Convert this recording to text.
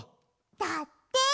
だって。